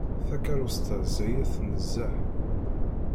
Takeṛṛust-a ẓẓayet nezzeh.